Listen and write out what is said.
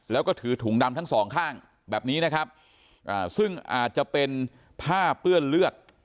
แล้วก็ถือถุงดำทั้งสองข้างแบบนี้นะครับซึ่งอาจจะเป็นผ้าเปื้อนเลือด